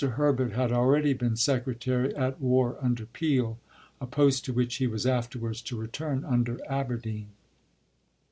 Herbert had already been Secretary at War under Peel, a post to which he was afterwards to return under Aberdeen.